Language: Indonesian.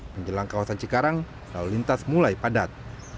menjelang kawasan cikarang lalu lintas mulai padat